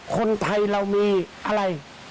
คนไทยเรามีอะไร